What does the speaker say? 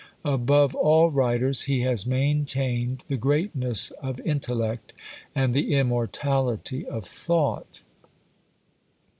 Above all writers, he has maintained the greatness of intellect, and the immortality of thought.